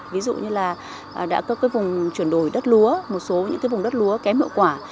ví dụ như là đã có cái vùng chuyển đổi đất lúa một số những cái vùng đất lúa kém hiệu quả